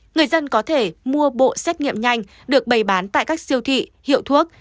người dân có thể mua bộ xét nghiệm nhanh được bày bán tại các siêu thị hiệu thuốc